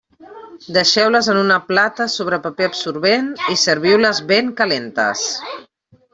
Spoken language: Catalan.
Deixeu-les en una plata sobre paper absorbent i serviu-les ben calentes.